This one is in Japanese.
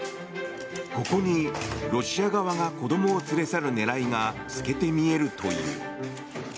ここにロシア側が子供を連れ去る狙いが透けて見えるという。